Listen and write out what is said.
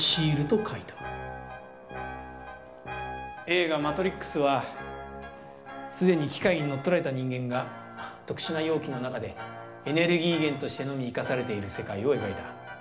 映画「マトリックス」は既に機械に乗っ取られた人間が特殊な容器の中でエネルギー源としてのみ生かされている世界を描いた。